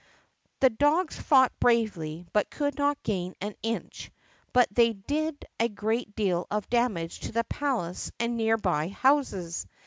The dogs fought bravely but could not gain an inch. But they did a great deal of damage to the palace and near by houses.